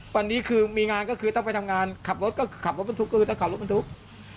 วันนี้คือมีงานก็คือต้องไปทำงานขับรถก็คือขับรถเป็นทุกข์ก็คือถ้าขับรถเป็นทุกข์